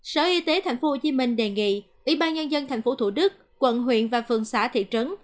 sở y tế tp hcm đề nghị ủy ban nhân dân tp thủ đức quận huyện và phường xã thị trấn